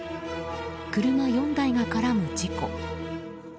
車４台が絡む事故。